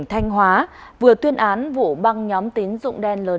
để hướng đến nhiều bản nội dung đời sống